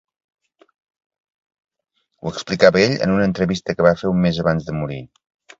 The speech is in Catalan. Ho explicava ell en una entrevista que va fer un mes abans de morir.